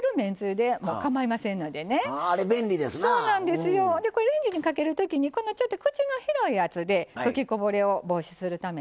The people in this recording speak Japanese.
でこれレンジにかける時にこのちょっと口の広いやつで吹きこぼれを防止するためにね。